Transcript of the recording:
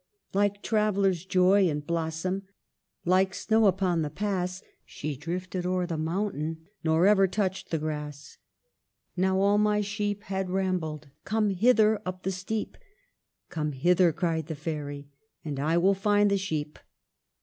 *' Like Traveller's Joy in blossom. Like snow upon the pass. She drifted o'er the mountain. Nor ever touched the grass. " Now all my sheep had rambled. ' Come hither up the steep, Come hither,' cried the fairy, ' And I will find the sheep.'